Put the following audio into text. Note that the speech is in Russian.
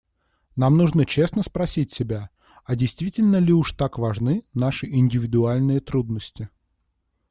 Нам нужно честно спросить себя, а действительно ли уж так важны наши индивидуальные трудности.